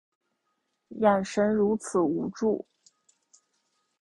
眼神如此无助